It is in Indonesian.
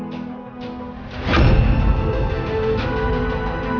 siap haben sia tarom nya